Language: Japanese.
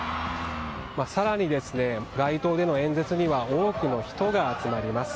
更に、街頭での演説には多くの人が集まります。